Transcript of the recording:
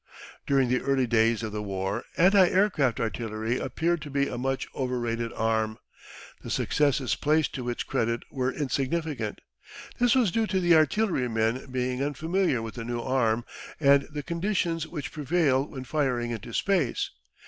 During the early days of the war anti aircraft artillery appeared to be a much overrated arm. The successes placed to its credit were insignificant. This was due to the artillerymen being unfamiliar with the new arm, and the conditions which prevail when firing into space.